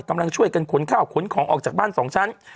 กำลังช่วยกันขนข้าวขนของออกจากบ้านสองชั้น